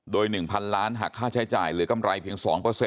โดย๑๐๐๐ล้านหักค่าใช้จ่ายหรือกำไรเพียง๒